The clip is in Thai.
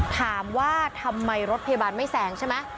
ถามว่าทำไมรถพยาบาลไม่แซงใช่ไหม